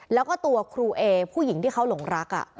แล้วก็ตัวครูเอผู้หญิงที่เขาหลงรัก